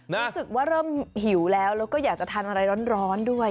รู้สึกว่าเริ่มหิวแล้วแล้วก็อยากจะทานอะไรร้อนด้วย